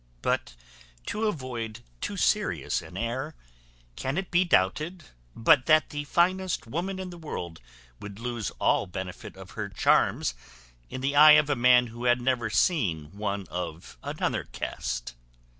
But to avoid too serious an air; can it be doubted, but that the finest woman in the world would lose all benefit of her charms in the eye of a man who had never seen one of another cast?